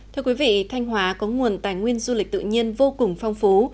thưa quý vị thanh hóa có nguồn tài nguyên du lịch tự nhiên vô cùng phong phú